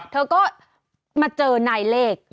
เธอก็มาเจอไหนเลก